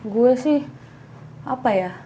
gue sih apa ya